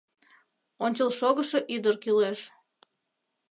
Ончылшогышо ӱдыр кӱлеш.